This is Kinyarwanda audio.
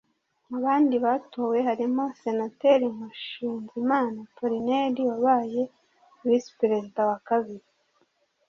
Mu bandi batowe harimo Senateri Mushinzimana Appolinaire wabaye visi perezida wa kabiri